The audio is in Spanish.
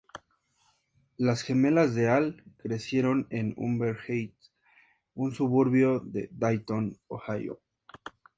Las gemelas Deal crecieron en Huber Heights, un suburbio de Dayton, Ohio.